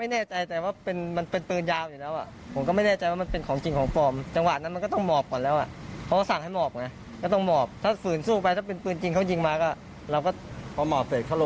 เดี๋ยวเขาเดินผ่านแล้วก็แค่มองก็เฉยต่างคนต่างมวล